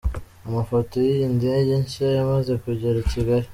Amafoto y'iyi ndege nshya yamaze kugera i Kigali.